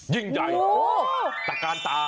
ยิ่งใหญ่ตะกานตา